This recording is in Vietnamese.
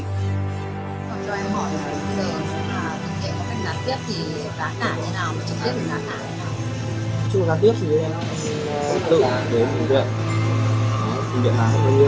còn cho em hỏi về tình hình của anh là tiếp thì bán cả thế nào trực tiếp thì bán cả thế nào